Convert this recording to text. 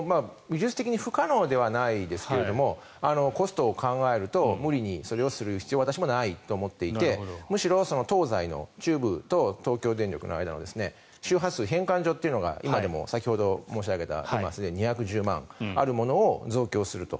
技術的に不可能ではないですがコストを考えると無理にそれをする必要は私もないと思っていてむしろ、東西の中部と東京電力の間の周波数変換所というのが今でも先ほど申し上げたように今、すでに２１０万あるものを増強すると。